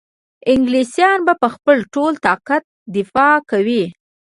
انګلیسیان به په خپل ټول طاقت دفاع کوي.